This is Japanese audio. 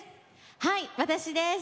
はい、私です。